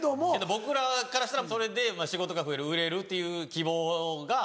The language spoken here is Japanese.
僕らからしたらそれで仕事が増える売れるっていう希望が。